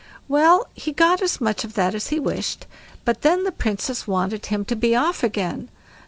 Well, he got as much of that as he wished, but then the Princess wanted him to be off again.